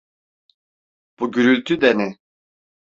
Bu gürültü de ne?